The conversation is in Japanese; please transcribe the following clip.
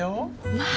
まあ！